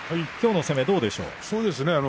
きょうの攻めはどうでしょう。